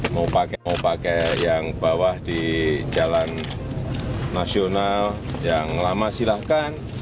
mau pakai mau pakai yang bawah di jalan nasional yang lama silahkan